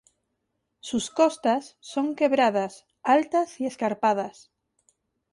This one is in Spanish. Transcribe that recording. Sus costas son quebradas, altas y escarpadas.